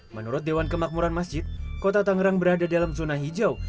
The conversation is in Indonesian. menurut dewan kemakmuran masjid kota tangerang berada dalam zona hijau